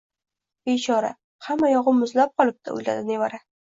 “Bechora, hamma yogʻi muzlab qolibdi!” – oʻyladi nevara.